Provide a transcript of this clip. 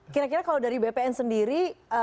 kira kira kalau dari bpn sendiri